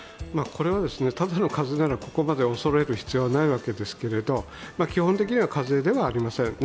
これはただの風邪ならここまで恐れる必要はないんですけれども基本的には風邪ではありません。